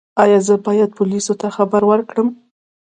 ایا زه باید پولیسو ته خبر ورکړم؟